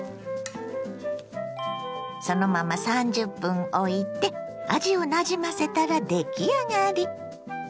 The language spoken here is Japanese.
そのまま３０分おいて味をなじませたら出来上がり。